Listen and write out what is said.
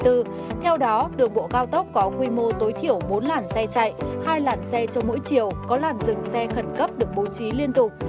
theo đó đường bộ cao tốc có quy mô tối thiểu bốn làn xe chạy hai làn xe cho mỗi chiều có làn dừng xe khẩn cấp được bố trí liên tục